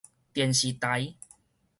電視台